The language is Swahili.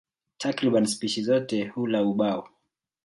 Takriban spishi zote hula ubao.